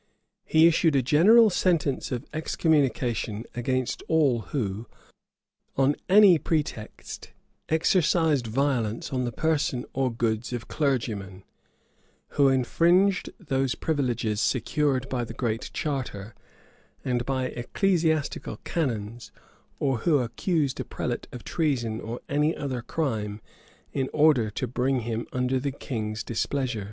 He issued a general sentence of excommunication against all who, on any pretext, exercised violence on the person or goods of clergymen; who infringed those privileges secured by the Great Charter, and by ecclesiastical canons; or who accused a prelate of treason or any other crime, in order to bring him under the king's displeasure.